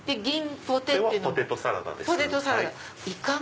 ポテトサラダです。